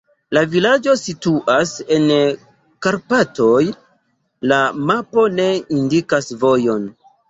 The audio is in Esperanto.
La vilaĝo situas en Karpatoj, la mapo ne indikas vojon.